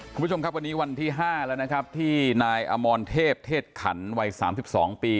คุณผู้ชมครับวันนี้วันที่๕แล้วนะครับที่นายอมรเทพเทศขันวัย๓๒ปี